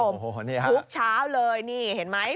โอ้โฮนี่ฮะพุกเช้าเลยนี่เห็นไหม